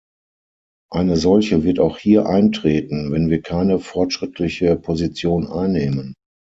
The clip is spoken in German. Eine solche wird auch hier eintreten, wenn wir keine fortschrittliche Position einnehmen.